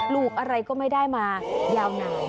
ลูกอะไรก็ไม่ได้มายาวนาน